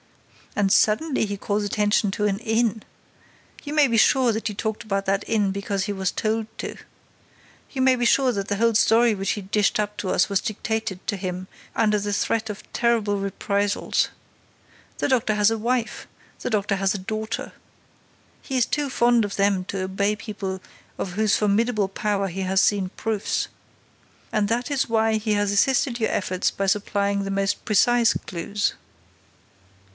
—And suddenly he calls attention to an inn!—You may be sure that he talked about that inn because he was told to. You may be sure that the whole story which he dished up to us was dictated to him under the threat of terrible reprisals. The doctor has a wife. The doctor has a daughter. He is too fond of them to disobey people of whose formidable power he has seen proofs. And that is why he has assisted your efforts by supplying the most precise clues."